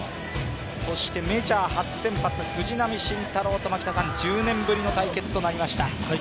そしてメジャー初先発、藤浪晋太郎と１０年ぶりの対決になりました。